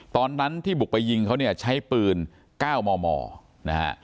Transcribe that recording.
ตอนนั้นที่บุกไปยิงเขาเนี่ยใช้ปืน๙มมนะฮะ